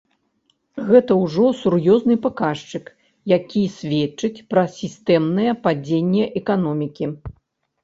Гэта ўжо сур'ёзны паказчык, які сведчыць пра сістэмнае падзенне эканомікі.